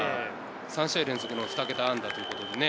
３試合連続の２桁安打という。